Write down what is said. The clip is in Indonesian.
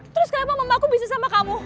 terus kenapa mama aku bisnis sama kamu